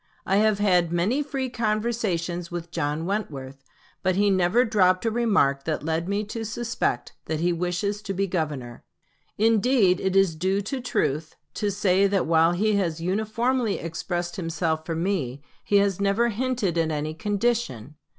I have had many free conversations with John Wentworth; but he never dropped a remark that led me to suspect that he wishes to be Governor. Indeed it is due to truth to say that while he has uniformly expressed himself for me, he has never hinted at any condition.